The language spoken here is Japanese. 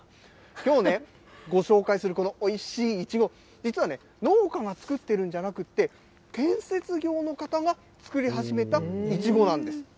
きょうね、ご紹介するこのおいしいイチゴ、実は農家が作っているんじゃなくて、建設業の方が作り始めたイチゴなんです。